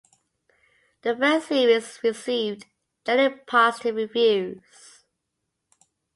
The first series received generally positive reviews.